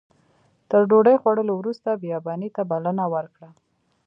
تر ډوډۍ خوړلو وروسته بیاباني ته بلنه ورکړه.